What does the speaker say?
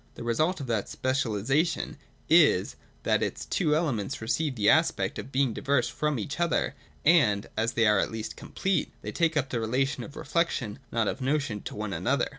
The result of that speciali sation is, that its two elements receive the aspect of being diverse from each other, and, as they are at least complete, they take up the relation of 'reflection,' not of 'notion,' to one another.